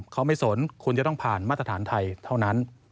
เขาไม่สนคุณจะต้องผ่านมาตรฐานไทยเท่านั้น